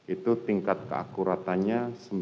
itu tingkat keakuratannya